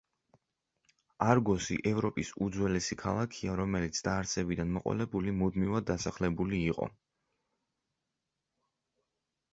არგოსი ევროპის უძველესი ქალაქია, რომელიც დაარსებიდან მოყოლებული მუდმივად დასახლებული იყო.